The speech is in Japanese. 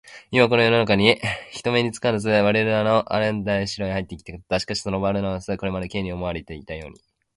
今、この夜なかに、人目にもつかず、バルナバスの案内で城へ入っていきたかった。しかし、そのバルナバスは、これまで Ｋ に思われていたように、